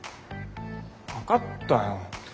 分かったよ。